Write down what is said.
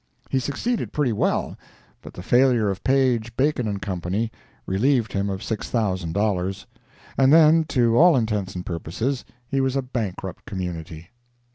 He succeeded pretty well, but the failure of Page, Bacon & Co. relieved him of $6,000. and then, to all intents and purposes, he was a bankrupt community.